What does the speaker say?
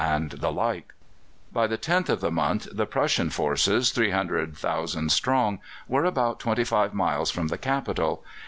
and the like. By the 10th of the month the Prussian forces, 300,000 strong, were about twenty five miles from the capital.